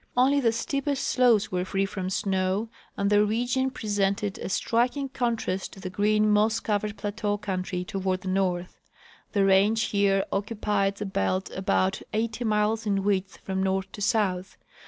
Only the steepest slopes Avere free from snoAV, and the region presented a striking Plains and Snow Fields. 131 contrast to the green moss covered i)lateau country toward the north. The range here occupies a belt about eighty miles in width from north to south.